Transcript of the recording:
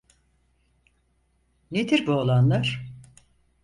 Nedir bu olanlar?